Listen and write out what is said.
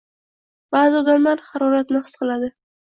Ba’zi odamlar haroratni his qiladi